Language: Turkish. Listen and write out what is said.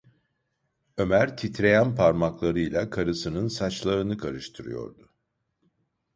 Ömer titreyen parmaklarıyla karısının saçlarını karıştırıyordu.